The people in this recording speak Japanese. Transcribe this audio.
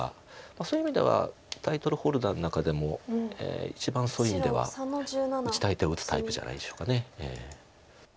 そういう意味ではタイトルホルダーの中でも一番そういう意味では打ちたい手を打つタイプじゃないでしょうか。